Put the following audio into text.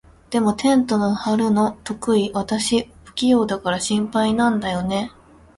でも、テント張るの得意？私、不器用だから心配なんだよね。